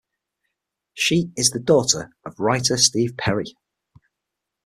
She is the daughter of writer Steve Perry.